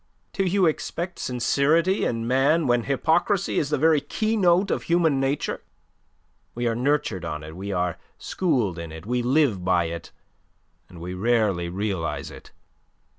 Do you expect sincerity in man when hypocrisy is the very keynote of human nature? We are nurtured on it; we are schooled in it, we live by it; and we rarely realize it.